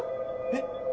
えっ？